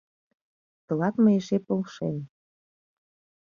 Тылат мый эше полшем;